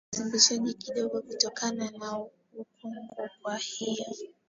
usimbishaji kidogo kutokana na ukungu kwa hiyo